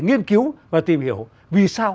nghiên cứu và tìm hiểu vì sao